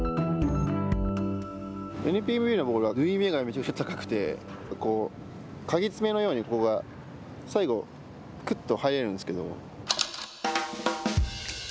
ＮＰＢのボールは縫い目が高くて、かぎ爪のようにここが最後、くっと入れるんですけども。